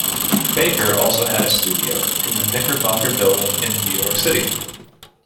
Baker also had a studio in the Knickerbocker Building in New York City.